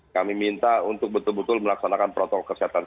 kami minta untuk betul betul melaksanakan protokol kesehatan